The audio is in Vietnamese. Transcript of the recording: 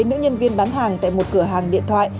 nữ nhân viên bán hàng tại một cửa hàng điện thoại